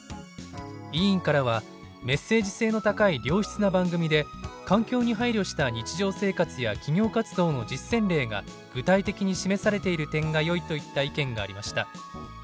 委員からは「メッセージ性の高い良質な番組で環境に配慮した日常生活や企業活動の実践例が具体的に示されている点がよい」といった意見がありました。